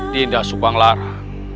dinda subang lara